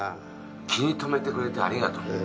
気にとめてくれてありがとう。